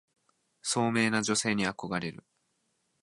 聡明な女性に憧れる